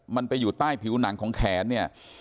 มันไปอยู่ใต้ผิวหนังของแขนเนี่ย